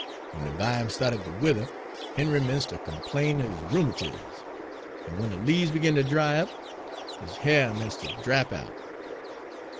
When de vimes sta'ted ter wither, Henry 'mence' ter complain er his rheumatiz; en when de leaves begin ter dry up, his ha'r'mence' ter drap out.